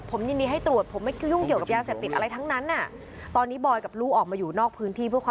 ผมยินดีให้ตรวจผมไม่ยุ่งกับยากเสะติดอะไรทั้งนั้นน่ะ